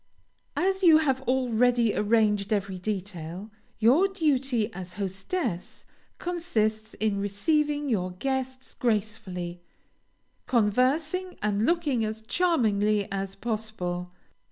As you have already arranged every detail, your duty as hostess consists in receiving your guests gracefully, conversing and looking as charmingly as possible.